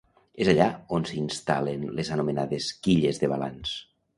És allà on s'instal·len les anomenades quilles de balanç.